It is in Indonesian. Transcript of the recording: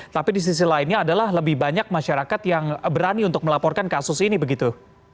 tapi di sisi lainnya adalah lebih banyak masyarakat yang berani untuk melaporkan kasus ini begitu